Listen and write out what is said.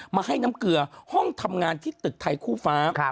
มาให้น้ำเกลือห้องทำงานที่ตึกไทยคู่ฟ้า